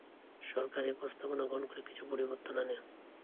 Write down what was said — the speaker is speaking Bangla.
সরকার এ প্রস্তাবনা গ্রহণ করে কিছু পরিবর্তন আনে।